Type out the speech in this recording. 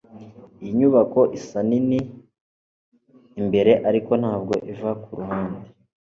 iyi nyubako isa nini imbere, ariko ntabwo iva kuruhande